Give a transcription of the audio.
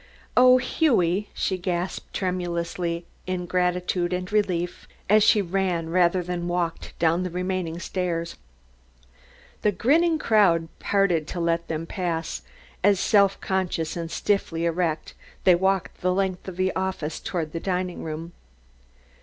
"Oh, Hughie!" she gasped tremulously in gratitude and relief as she ran rather than walked down the remaining stairs. The grinning crowd parted to let them pass as, self conscious and stiffly erect, they walked the length of the office towards the dining room.